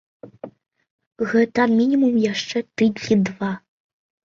Гэта мінімум яшчэ тыдні два.